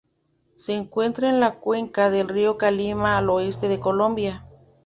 Se encuentra en la cuenca del río Calima al oeste de Colombia.